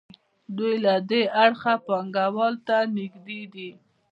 دوی له دې اړخه پانګوال ته نږدې دي.